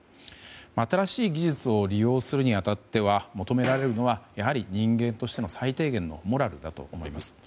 新しい技術を利用するに当たっては求められるのは人間としての最低限のモラルだと思います。